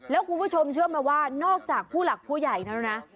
แล้วคุณผู้ชมเชื่อไหมว่านอกจากผู้หลักผู้ใหญ่แล้วนะ